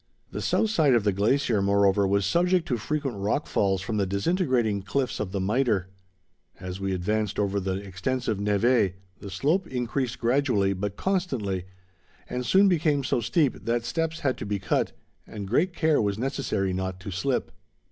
The south side of the glacier, moreover, was subject to frequent rock falls from the disintegrating cliffs of the Mitre. As we advanced over the extensive névé, the slope increased gradually but constantly, and soon became so steep that steps had to be cut, and great care was necessary not to slip.